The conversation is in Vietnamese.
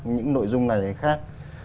những nội dung này hay khác